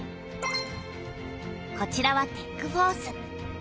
こちらは「テック・フォース」。